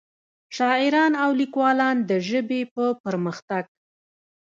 شاعران او ليکوال دَ ژبې پۀ پرمخ تګ